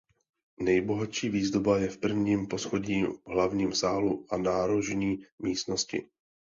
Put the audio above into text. Nejbohatší výzdoba je v prvním poschodí v hlavním sálu a nárožní místnosti.